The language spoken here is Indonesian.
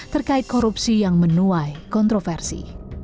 terkait korupsi yang menuai kontroversi